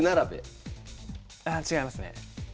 ああ違いますね。